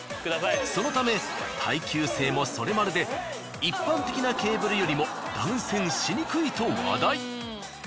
そのため耐久性もソレマルで一般的なケーブルよりも断線しにくいと話題。